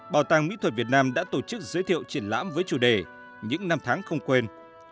bảo tàng mỹ thuật việt nam đã tổ chức giới thiệu triển lãm với chủ đề những năm tháng không quên